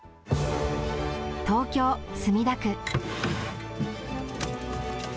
東京墨田区。